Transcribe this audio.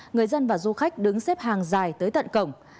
người dân và du khách đứng xếp hàng dài tới tận cổng